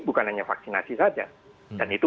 bukan hanya vaksinasi saja dan itu